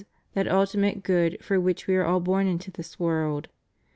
that ultimate good for which we are all born into this world.